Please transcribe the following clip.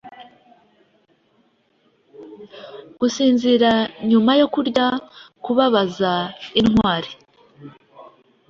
Gusinzira nyuma yo kurya kubabaza intwari